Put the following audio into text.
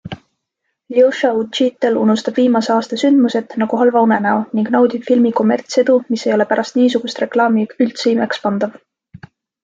Ljoša Utšitel unustab viimase aasta sündmused nagu halva unenäo ning naudib filmi kommertsedu, mis ei ole pärast niisugust reklaami üldse imekspandav!